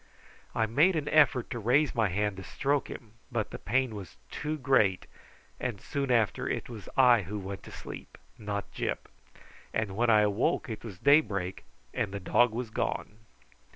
I made an effort to raise my hand to stroke him, but the pain was too great, and soon after it was I who went to sleep, not Gyp, and when I awoke it was daybreak and the dog was gone.